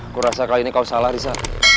aku rasa kali ini kau salah riza